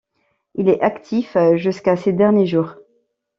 Il est actif jusqu'à ses derniers jours.